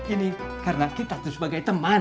ini karena kita tuh sebagai teman